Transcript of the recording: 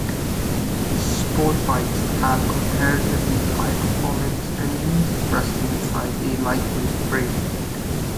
Sport bikes have comparatively high performance engines resting inside a lightweight frame.